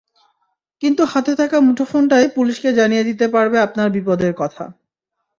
কিন্তু হাতে থাকা মুঠোফোনটাই পুলিশকে জানিয়ে দিতে পারবে আপনার বিপদের কথা।